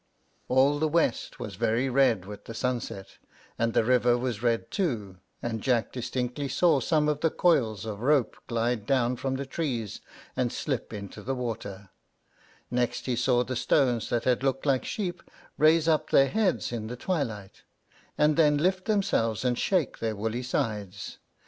All the west was very red with the sunset, and the river was red too, and Jack distinctly saw some of the coils of rope glide down from the trees and slip into the water; next he saw the stones that had looked like sheep raise up their heads in the twilight, and then lift themselves and shake their woolly sides.